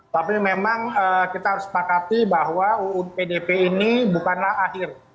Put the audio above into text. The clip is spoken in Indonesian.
tapi memang kita harus sepakati bahwa uu pdp ini bukanlah akhir